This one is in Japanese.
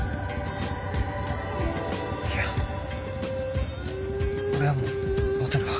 いや俺はもうバトルは。